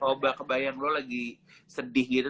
loba kebayang lo lagi sedih gitu